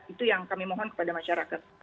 itu yang kami mohon kepada masyarakat